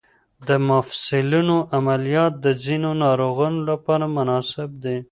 د مفصلونو عملیات د ځینو ناروغانو لپاره مناسب دي.